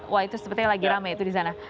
wah itu sepertinya lagi rame itu di sana